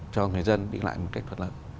cho người dân đi lại một cách thuật lợi